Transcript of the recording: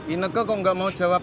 ini kok gak mau jawab